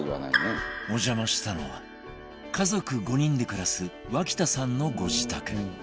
お邪魔したのは家族５人で暮らす脇田さんのご自宅